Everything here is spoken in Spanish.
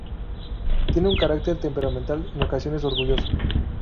Tiene un carácter temperamental, en ocasiones orgulloso.